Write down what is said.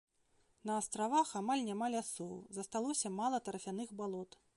На астравах амаль няма лясоў, засталося мала тарфяных балот.